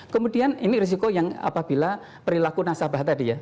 kemudian ini risiko yang apabila perilaku nasabah tadi ya